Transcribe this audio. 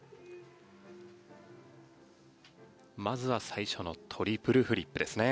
まずは最初のトリプルフリップですね。